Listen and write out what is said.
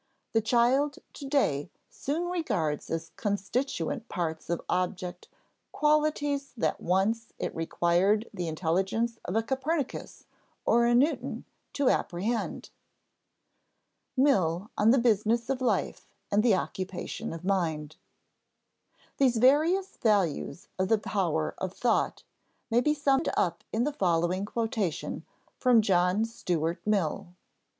The child today soon regards as constituent parts of objects qualities that once it required the intelligence of a Copernicus or a Newton to apprehend. [Sidenote: Mill on the business of life and the occupation of mind] These various values of the power of thought may be summed up in the following quotation from John Stuart Mill.